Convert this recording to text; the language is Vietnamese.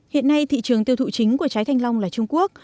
hiện nay thị trường tiêu thụ chính của trái thanh long là trung quốc